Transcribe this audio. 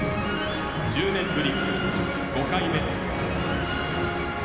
１０年ぶり５回目。